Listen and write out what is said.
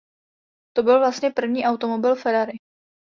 To byl vlastně první automobil Ferrari.